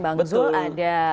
bang zul ada